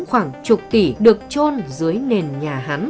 khoảng chục tỷ được trôn dưới nền nhà hắn